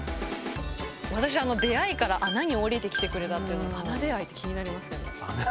私「出会い」から「穴に下りてきてくれた」って穴出会いって気になりますね。